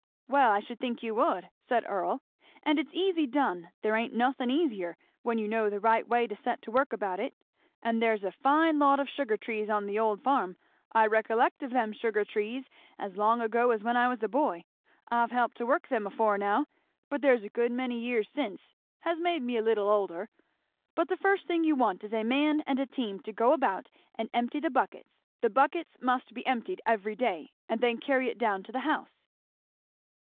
"Well I should think you would," said Earl, "and it's easy done there ain't nothin' easier, when you know the right way to set to work about it; and there's a fine lot of sugar trees on the old farm I recollect of them sugar trees as long ago as when I was a boy I've helped to work them afore now, but there's a good many years since has made me a leetle older but the first thing you want is a man and a team, to go about and empty the buckets the buckets must be emptied every day, and then carry it down to the house."